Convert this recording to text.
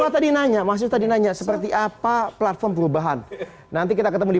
mas tadi nanya mas lbody nanya seperti apa platform perubahan nanti kita ketemu di